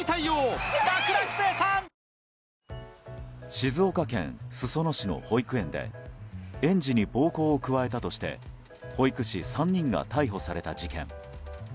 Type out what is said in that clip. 静岡県裾野市の保育園で園児に暴行を加えたとして保育士３人が逮捕された事件。